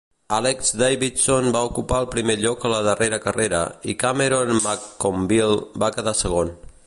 Alex Davison va ocupar el primer lloc a la darrera carrera i Cameron McConville va quedar segon.